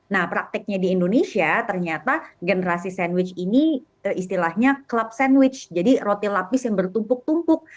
nah prakteknya di indonesia ternyata generasi sandwich ini istilahnya club sandwich jadi roti lapis yang bertumpuk tumpuk